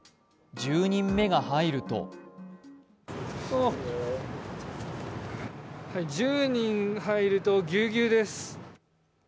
１０人目が入ると１０人入るとギュウギュウです。